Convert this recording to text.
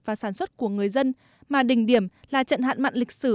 và sản xuất của người dân mà đỉnh điểm là trận hạn mặn lịch sử